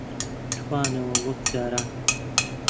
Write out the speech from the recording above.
توانەوە وەک جاران